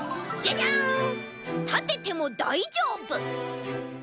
たててもだいじょうぶ！